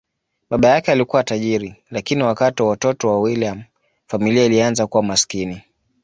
Baba yake alikuwa tajiri, lakini wakati wa utoto wa William, familia ilianza kuwa maskini.